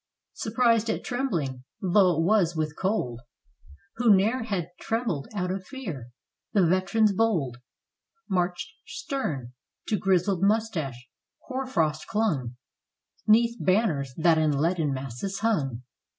Surprised at trembhng, though it was with cold. Who ne'er had trembled out of fear, the veterans bold Marched stern; to grizzled mustache hoar frost clung 'Neath banners that in leaden masses hung.